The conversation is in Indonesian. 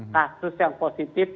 empat ribu kasus yang positif